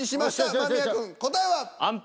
間宮くん答えは？